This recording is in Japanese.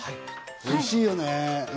おいしいよね。